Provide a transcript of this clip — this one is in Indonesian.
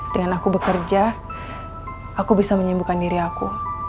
dengan aku bekerja aku bisa menyembuhkan diri aku